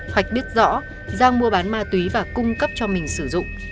hoạch biết rõ giang mua bán ma túy và cung cấp cho mình sử dụng